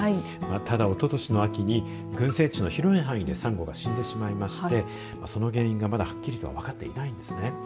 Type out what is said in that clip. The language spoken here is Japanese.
ただ、おととしの秋に群生地の広い範囲でサンゴが死んでしまいましてその原因がまだはっきりと分かっていないんですね。